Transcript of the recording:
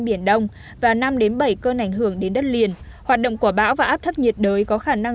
biển đông và năm bảy cơn ảnh hưởng đến đất liền hoạt động của bão và áp thấp nhiệt đới có khả năng